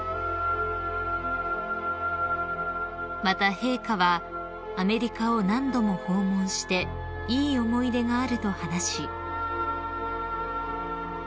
［また陛下はアメリカを何度も訪問していい思い出があると話し］